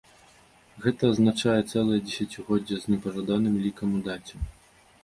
Гэта азначае цэлае дзесяцігоддзе з непажаданым лікам у даце.